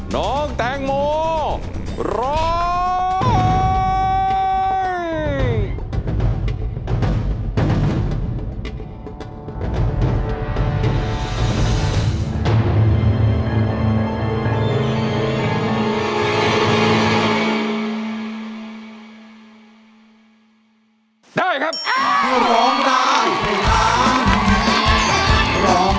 น้องแตงโมร้อง